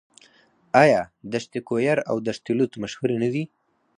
آیا دشت کویر او دشت لوت مشهورې نه دي؟